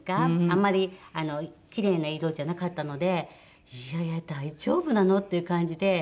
あんまりキレイな色じゃなかったのでいやいや大丈夫なの？っていう感じで。